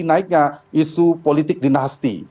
naiknya isu politik dinasti